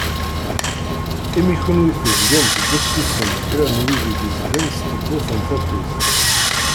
Imi kunwi tezgam tesduqsusem kra n wid igedzen s tewwurt n tatut.